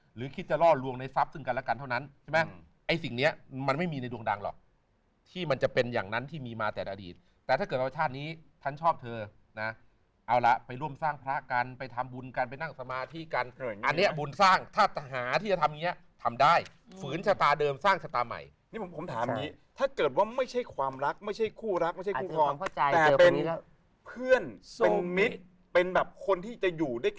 หรือคิดจะรอดรวงในทรัพย์ซึ่งกันละกันเท่านั้นใช่ไหมไอ้สิ่งเนี้ยมันไม่มีในดวงดังหรอกที่มันจะเป็นอย่างนั้นที่มีมาแต่อดีตแต่ถ้าเกิดเราชาตินี้ท่านชอบเธอนะเอาละไปร่วมสร้างพระกันไปทำบุญกันไปนั่งสมาธิกันอันเนี้ย